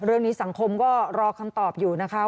เรื่องนี้สังคมก็รอคำตอบอยู่นะคะ